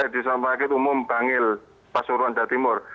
di rumah sakit umum bangil pasuruan jawa timur